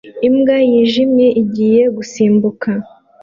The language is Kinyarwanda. Imbwa yijimye igiye gusimbuka